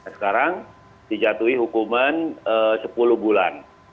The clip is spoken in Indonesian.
sekarang dijatuhi hukuman sepuluh bulan